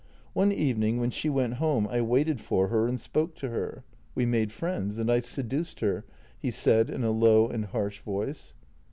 One evening when she went home I waited for her and spoke to her. We made friends — and I seduced her," he said in a low and harsh voice.